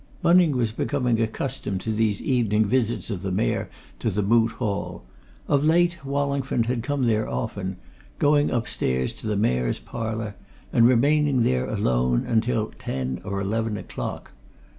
Bunning was becoming accustomed to these evening visits of the Mayor to the Moot Hall. Of late, Wallingford had come there often, going upstairs to the Mayor's Parlour and remaining there alone until ten or eleven o'clock.